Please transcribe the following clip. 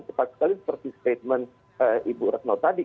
tepat sekali seperti statement ibu ratnaw tadi